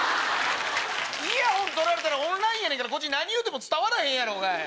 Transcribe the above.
イヤホン取られたらオンラインやねんからこっち何言うても伝わらへん。